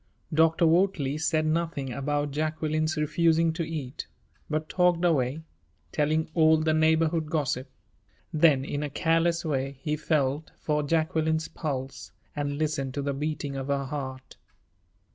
Dr. Wortley said nothing about Jacqueline's refusing to eat, but talked away, telling all the neighborhood gossip. Then, in a careless way, he felt for Jacqueline's pulse and listened to the beating of her heart.